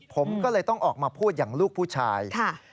ผมก็เลยต้องออกมาพูดอย่างลูกผู้ชาย